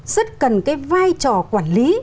rất cần cái vai trò quản lý